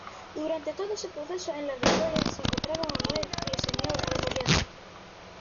Durante todo ese proceso en la rectoría se encontraba Manuel Villaseñor Rebolledo.